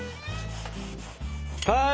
はい！